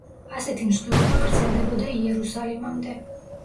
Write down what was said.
ასეთი მსვლელობა გრძელდებოდა იერუსალიმამდე.